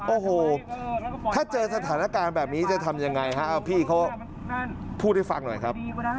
โอ้โหถ้าเจอสถานการณ์แบบนี้จะทำอย่างไรฮะ